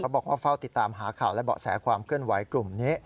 บอกว่าเฝ้าติดตามหาข่าวและเบาะแสความเคลื่อนไหวกลุ่มนี้